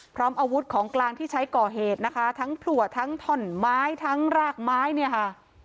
พร้อมอาวุธของกลางที่ใช้ก่อเหตุนะคะทั้งผลัวทั้งถ่อนไม้ทั้งรากไม้เนี่ยค่ะ